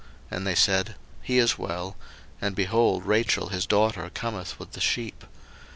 And they said, He is well: and, behold, Rachel his daughter cometh with the sheep.